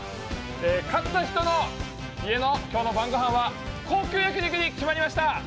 勝った人の家の今日の晩ごはんは高級焼き肉に決まりました！